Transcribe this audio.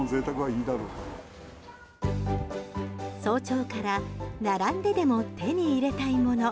早朝から並んででも手に入れたいもの。